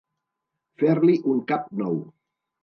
Fer-li un cap nou.